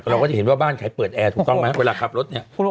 เราก็จะเห็นว่าบ้านใครเปิดแอร์ถูกต้องไหมเวลาขับรถเนี่ย